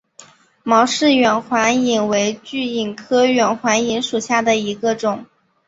毛氏远环蚓为巨蚓科远环蚓属下的一个种。